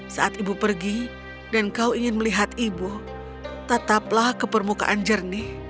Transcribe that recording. saat ibu pergi dan kau ingin melihat ibu tetaplah ke permukaan jernih